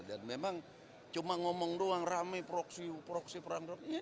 dan memang cuma ngomong doang rame proksi proksi perang